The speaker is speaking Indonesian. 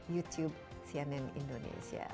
youtube cnn indonesia